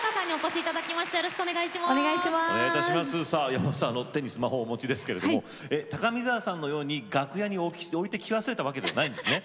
山本さん手にスマホをお持ちですけれども高見沢さんのように楽屋に置いてき忘れたわけではないんですね？